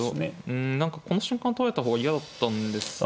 うん何かこの瞬間取られた方が嫌だったんですよね。